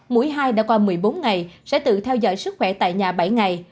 mũi hai đã qua một mươi bốn ngày sẽ tự theo dõi sức khỏe tại nhà bảy ngày